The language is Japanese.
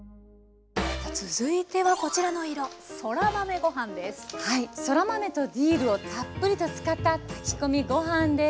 続いてはこちらの色そら豆とディルをたっぷりと使った炊き込みご飯です。